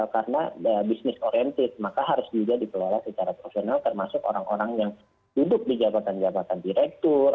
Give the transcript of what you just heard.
karena bisnis orientis maka harus juga dikelola secara profesional termasuk orang orang yang hidup di jabatan jabatan direktur